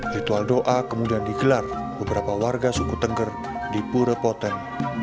ritual doa kemudian digelar beberapa warga suku tengger di pura poten